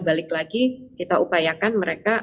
balik lagi kita upayakan mereka